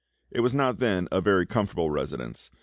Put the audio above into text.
It was not then a very comfortable residence.